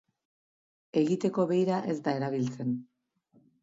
Egiteko beira ez da erabiltzen.